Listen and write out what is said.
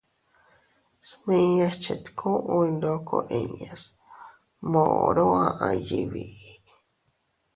Smiñas chetkuy ndoko inñas moro aʼay yiʼi biʼi.